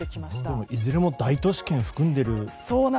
でも、いずれも大都市圏を含んでいますよね。